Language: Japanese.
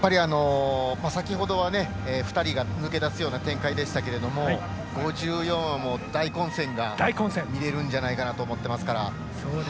先ほどは２人が抜け出すような展開でしたけどＴ５４は、大混戦が見れるんじゃないかなと思っています。